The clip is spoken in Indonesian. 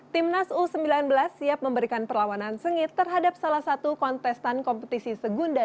timnas u sembilan belas siap memberikan perlawanan sengit terhadap salah satu kontestan kompetisi segunda